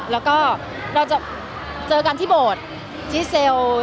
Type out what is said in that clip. แล้วก็เราจะเจอกันที่โบสถ์ที่เซลล์